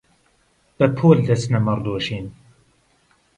بەپۆل دەچنە مەڕدۆشین